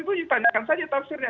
itu ditanyakan saja tafsirnya